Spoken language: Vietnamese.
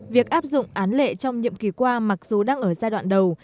việc áp dụng án lệ trong nhiệm kỳ qua mặc dù đang ở giai đoạn đầu